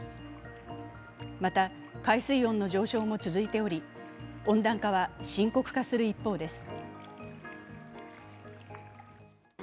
また、海水温の上昇も続いており、温暖化は深刻化する一方です。